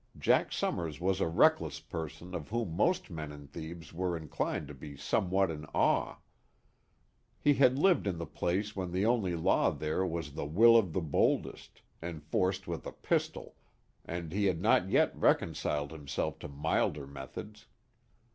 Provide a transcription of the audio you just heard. Jack Summers was a reckless person of whom most men in Thebes were inclined to be somewhat in awe. He had lived in the place when the only law there was the will of the boldest, enforced with a pistol, and he had not yet reconciled himself to milder methods.